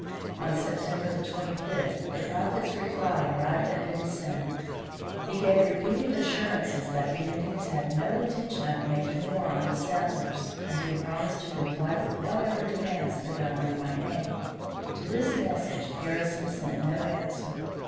On September the twenty fifth the Prophet's reply arrived at Vincennes. He gave repeated assurances that the Indians had no intention of making war on the settlers, and he promised to comply with whatever demands the Governor might make. To this message Harrison sent no answer.